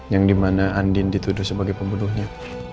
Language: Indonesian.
yang dimana andin dituduh sebagai pembunuhnya